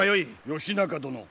義仲殿。